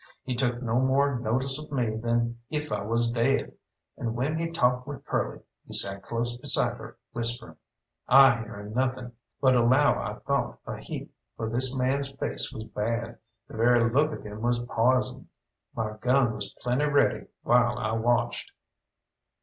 He took no more notice of me than if I was dead, and when he talked with Curly he sat close beside her whispering. I hearing nothing; but allow I thought a heap, for this man's face was bad, the very look of him was poison. My gun was plenty ready while I watched.